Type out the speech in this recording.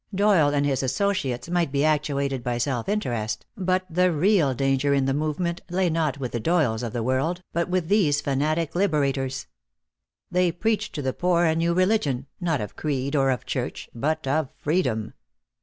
Doyle and his associates might be actuated by self interest, but the real danger in the movement lay not with the Doyles of the world, but with these fanatic liberators. They preached to the poor a new religion, not of creed or of Church, but of freedom.